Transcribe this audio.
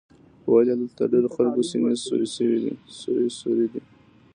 ویل یې دلته د ډېرو خلکو سینې سوري سوري دي.